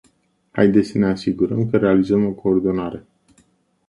Haideți să ne asigurăm că realizăm o coordonare.